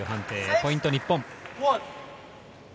ポイント日本。